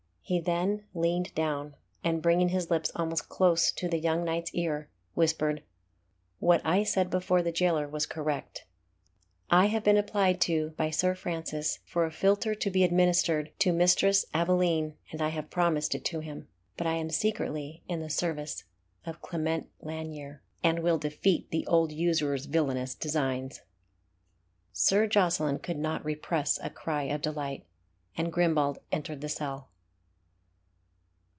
He then leaned down, and bringing his lips almost close to the young knight's ear, whispered "What I said before the jailer was correct. I have been applied to by Sir Francis for a philter to be administered to Mistress Aveline, and I have promised it to him; but I am secretly in the service of Clement Lanyere, and will defeat the old usurer's villainous designs." Sir Jocelyn could not repress a cry of delight, and Grimbald entered the cell.